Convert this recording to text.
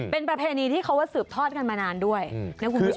เป็นประเพณีที่เขาว่าสืบทอดกันมานานด้วยนะคุณผู้ชม